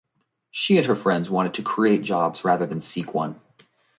She and her friends wanted to create jobs rather than seek one.